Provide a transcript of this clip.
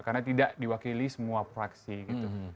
karena tidak diwakili semua fraksi gitu